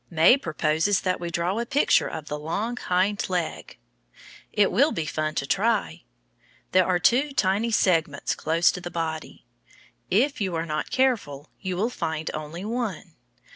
May proposes that we draw a picture of the long hind leg. It will be fun to try. There are two tiny segments close to the body. If you are not careful, you will find only one.